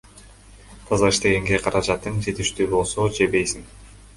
Таза иштегенге каражатың жетиштүү болсо, жебейсиң.